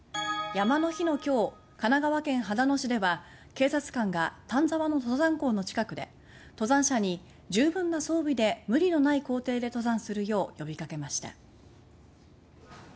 山の日の今日神奈川県秦野市では警察官が、丹沢の登山口の近くで登山者に十分な装備で無理のない行程で登山するよう呼びかけました。